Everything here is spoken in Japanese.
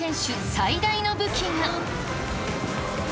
最大の武器が。